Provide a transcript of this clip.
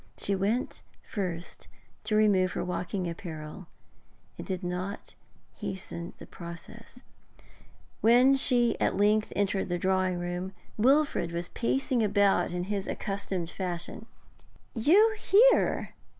She went first to remove her walking apparel, and did not hasten the process. When she at length entered the drawing room Wilfrid was pacing about in his accustomed fashion. 'You here?'